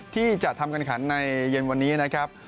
ที่จะทำการขันในเย็นวันนี้นะครับ